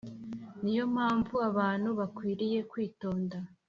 Ni yo mpamvu abantu bakwiriye kwitonda